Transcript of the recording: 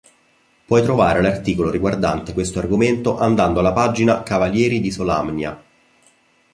Puoi trovare l'articolo riguardante questo argomento andando alla pagina Cavalieri di Solamnia.